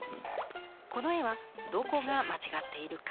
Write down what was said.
「この絵はどこがまちがっているか？